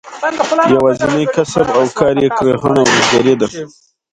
یوازینی کسب او کار یې کرهڼه او بزګري ده.